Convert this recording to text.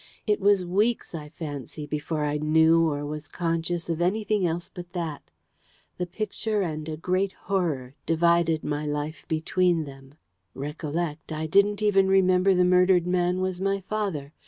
It was weeks, I fancy, before I knew or was conscious of anything else but that. The Picture and a great Horror divided my life between them. Recollect, I didn't even remember the murdered man was my father.